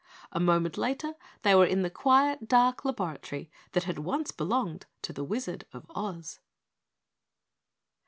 A moment later they were in the dark, quiet laboratory that had once belonged to the Wizard of Oz.